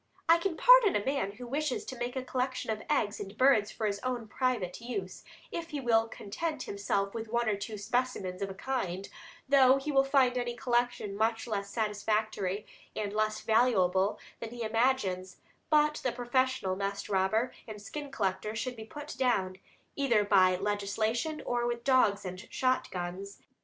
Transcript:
I can pardon a man who wishes to make a collection of eggs and birds for his own private use, if he will content himself with one or two specimens of a kind, though he will find any collection much less satisfactory and less valuable than he imagines, but the professional nest robber and skin collector should be put down, either by legislation or with dogs and shotguns.